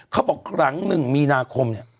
เขาบอกครั้ง๑มีนาคมเนี่ย